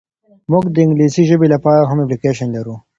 موږ د انګلیسي ژبي لپاره هم اپلیکیشن لرو.